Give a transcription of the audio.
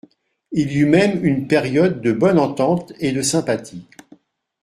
Il y eut même une période de bonne entente et de sympathie.